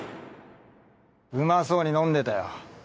うまそうに飲んでたよ。